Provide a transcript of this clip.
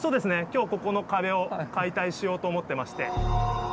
今日ここの壁を解体しようと思ってまして。